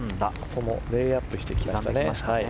ここもレイアップしてきましたね。